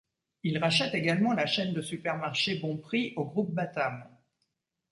Il rachète également la chaîne de supermarchés Bonprix au groupe Batam.